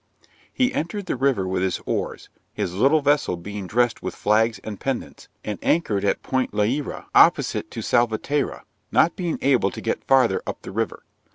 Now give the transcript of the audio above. He entered the river with his oars, his little vessel being dressed with flags and pendants, and anchored at Point Leira opposite to Salvaterra, not being able to get farther up the river.